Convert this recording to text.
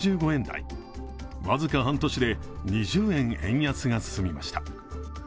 台僅か半年で２０円、円安が進みました。